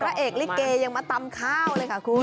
เอกลิเกยังมาตำข้าวเลยค่ะคุณ